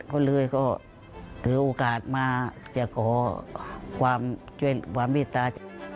ก็เลยก็ถือโอกาสมาจะขอความวิจริตา